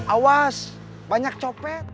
awas banyak copet